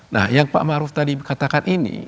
nah yang pak maruf tadi katakan ini